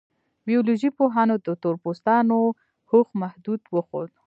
بیولوژي پوهانو د تور پوستانو هوښ محدود وښود.